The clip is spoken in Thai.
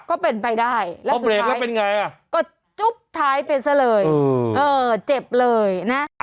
ก็เป็นไปได้แล้วก็สุดท้ายก็จุ๊บท้ายเป็นซะเลยเออเจ็บเลยนะ